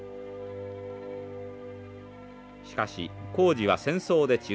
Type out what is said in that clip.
しかし工事は戦争で中断。